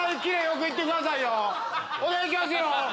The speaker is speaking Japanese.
お願いしますよ！